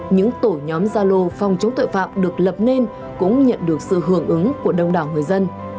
những tổ nhóm gia lô phòng chống tội phạm được lập nên cũng nhận được sự hưởng ứng của đông đảo người dân